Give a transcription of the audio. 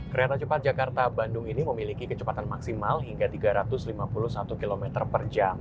kereta cepat jakarta bandung ini memiliki kecepatan maksimal hingga tiga ratus lima puluh satu km per jam